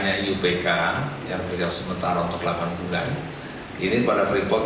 ini pada freeport juga dapat melaksanakan ekspor konsentrat